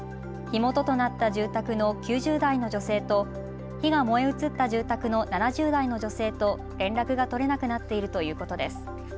火元となった住宅の９０代の女性と火が燃え移った住宅の７０代の女性と連絡が取れなくなっているということです。